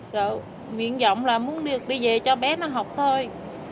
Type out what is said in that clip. rồi miệng giọng là muốn đi về cho bé nó học thôi